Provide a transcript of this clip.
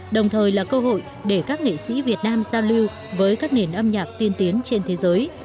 đồng thời là cơ hội để các nghệ sĩ việt nam giao lưu với các nền âm nhạc tiên tiến trên thế giới